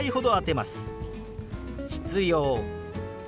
「必要」。